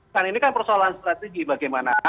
kan ini kan persoalan strategi bagaimana